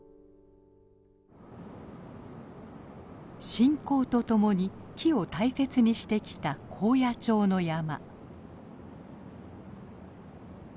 信仰とともに木を大切にしてきた高野町の山。